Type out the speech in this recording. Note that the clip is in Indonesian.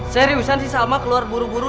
seriusan si salma keluar buru buru